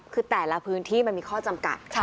คือแต่ละพื้นที่มันมีข้อจำกัด